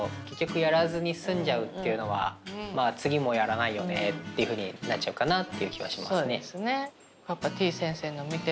結局やらずに済んじゃうっていうのはまあ次もやらないよねっていうふうになっちゃうかなっていう気がしますね。